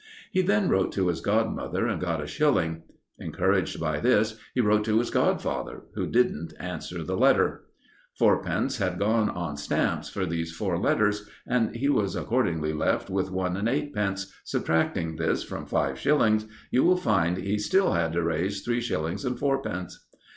He then wrote to his godmother, and got a shilling. Encouraged by this, he wrote to his godfather, who didn't answer the letter. Fourpence had gone on stamps for these four letters, and he was accordingly left with one and eightpence. Subtracting this from five shillings, you will find he still had to raise three shillings and fourpence.